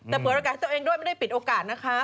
แต่เปิดโอกาสให้ตัวเองด้วยไม่ได้ปิดโอกาสนะคะ